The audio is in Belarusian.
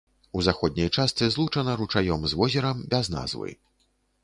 У заходняй частцы злучана ручаём з возерам без назвы.